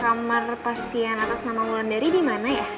kamar pasien atas nama mulandari dimana ya